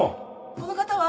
この方は